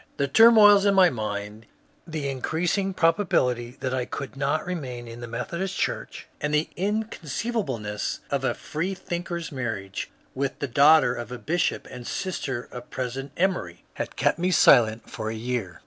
The turmoils in my mind, the increasing probability that I could not remain in the Methodist Church, and the in« oonceivableness of a freethinker's marriage with the daughter of a bishop and sister of President Emory, had kept me silent for a year.